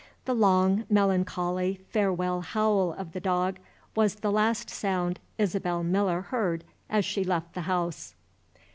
The long, melancholy, farewell howl of the dog was the last sound Isabel Miller heard as she left the house.